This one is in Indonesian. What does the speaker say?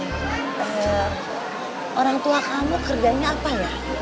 orang tua kamu kerjanya apa ya